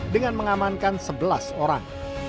dengan mengamankan sebelas orang